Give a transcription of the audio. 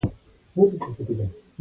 زه چې د خپلې ټولنې نني مشکلات وینم.